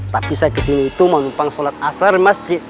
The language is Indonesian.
tapi saya ke sini itu mau numpang salat asar masuk masjid